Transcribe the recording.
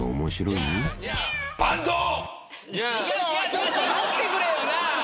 ちょっと待ってくれよなあ！